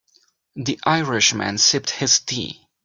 The Irish man sipped his tea.